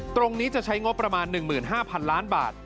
ตรงนี้จะใช้งบประมาณ๑๕๐๐๐ล้านบาท